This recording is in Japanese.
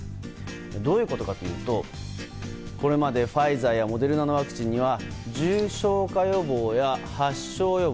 どういうことかというとこれまでファイザーやモデルナのワクチンには重症化予防や発症予防